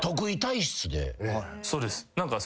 そうです。